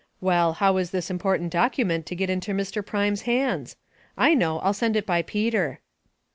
Well, how is this important doc ument to get into Mr. Prime's hands ? I know; I'll send it by Peter."